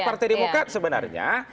partai demokrat sebenarnya